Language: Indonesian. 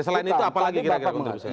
selain itu apalagi kira kira